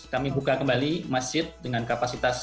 kami buka kembali masjid dengan kapasitas